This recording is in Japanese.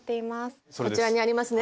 こちらにありますね。